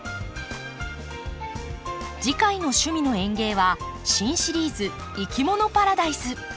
次回の「趣味の園芸」は新シリーズ「いきものパラダイス」。